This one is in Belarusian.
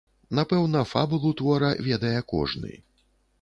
Напэўна, фабулу твора ведае кожны.